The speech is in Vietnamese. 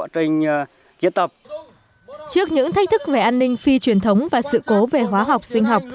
trước những thách thức về an ninh phi truyền thống và sự cố về hóa học sinh học